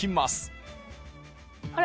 あれ？